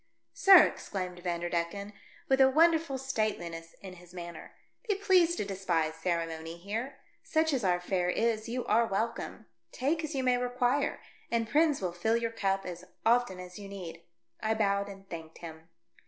" Sir," exclaimed Vanderdecken, with a wonderful stateliness in his manner, "be pleased to despise ceremony here. Such as our fare is, you are welcome. Take as you may require, and Prins will fill your cup as often as you need." I bowed and thanked him.